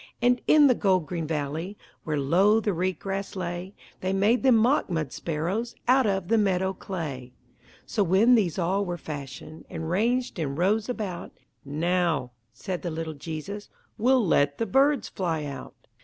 And in the gold green valley, Where low the reed grass lay, They made them mock mud sparrows Out of the meadow clay. So, when these all were fashioned, And ranged in rows about, "Now," said the little Jesus, "We'll let the birds fly out."